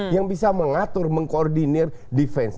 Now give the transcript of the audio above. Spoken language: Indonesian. yang bisa mengatur mengkoordinir defense